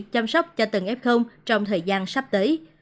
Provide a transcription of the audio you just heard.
chăm sóc cho từng f trong thời gian sắp tới